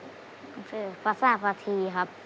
หนังสือภาษาภาธีครับ